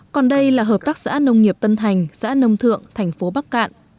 còn đây là hợp tác xã nông nghiệp tân thành xã nông thượng thành phố bắc cạn